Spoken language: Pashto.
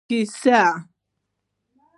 کیسۍ